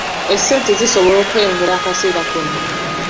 Essente zisobola okweyongera akaseera konna.